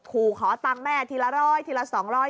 คู่ขอตังแม่ทีละร้อยทีละสองร้อย